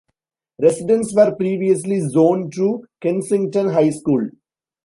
Residents were previously zoned to Kensington High School.